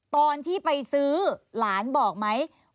ตอนที่ไปซื้อหลานบอกไหม